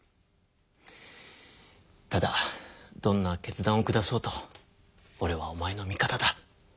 ただどんな決断を下そうとおれはおまえの味方だ。